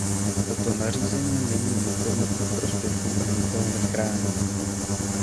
Toto nařízení není nikomu ku prospěchu a nikoho nechrání.